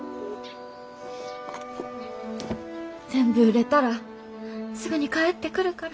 全部売れたらすぐに帰ってくるから。